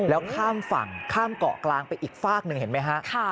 แล้วข้ามฝั่งข้ามเกาะกลางไปอีกฝากหนึ่งเห็นไหมฮะ